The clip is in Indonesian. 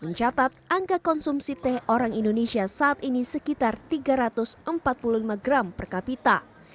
mencatat angka konsumsi teh orang indonesia saat ini sekitar tiga ratus empat puluh lima gram per kapita